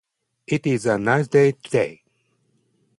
It is a nice day today.